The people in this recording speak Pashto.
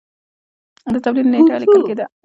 د تولید نېټه لیکل کېده.